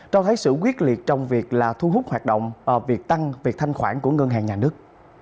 cho thấy sự quyết liệt trong việc thu hút hoạt động tăng thanh khoản của ngân hàng nhà nước